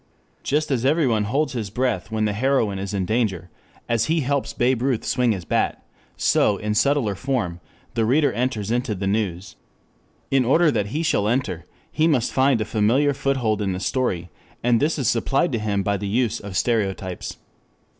Just as everyone holds his breath when the heroine is in danger, as he helps Babe Ruth swing his bat, so in subtler form the reader enters into the news. In order that he shall enter he must find a familiar foothold in the story, and this is supplied to him by the use of stereotypes.